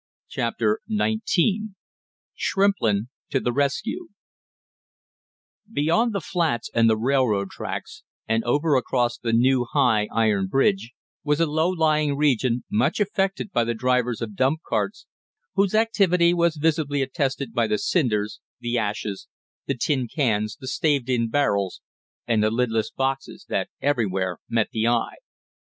CHAPTER NINETEEN SHRIMPLIN TO THE RESCUE Beyond the flats and the railroad tracks and over across the new high, iron bridge, was a low lying region much affected by the drivers of dump carts, whose activity was visibly attested by the cinders, the ashes, the tin cans, the staved in barrels and the lidless boxes that everywhere met the eye.